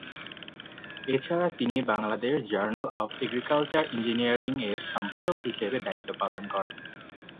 এছাড়া তিনি Bangladesh journal of agricultural engineering এর সম্পাদক হিসেবে দায়িত্ব পালন করেন।